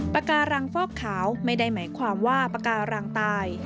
ปากการังฟอกขาวไม่ได้หมายความว่าปากการังตาย